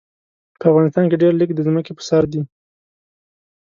په افغانستان کې ډېر لږ د ځمکې په سر دي.